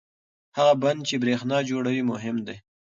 هغه بند چې برېښنا جوړوي مهم دی.